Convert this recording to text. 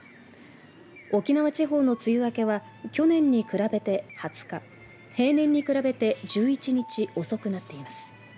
沖縄地方の梅雨明けは去年に比べて２０日、平年に比べて１１日、遅くなっています。